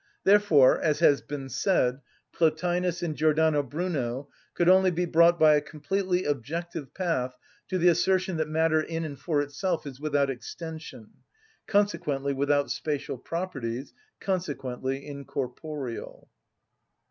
Therefore, as has been said, Plotinus and Giordano Bruno could only be brought by a completely objective path to the assertion that matter in and for itself is without extension, consequently without spatial properties, consequently incorporeal.